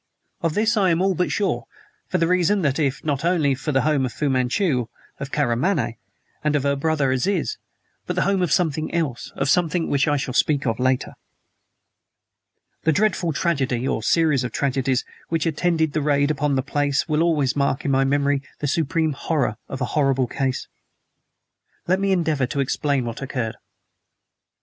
Of this I am all but sure; for the reason that it not only was the home of Fu Manchu, of Karamaneh, and of her brother, Aziz, but the home of something else of something which I shall speak of later. The dreadful tragedy (or series of tragedies) which attended the raid upon the place will always mark in my memory the supreme horror of a horrible case. Let me endeavor to explain what occurred.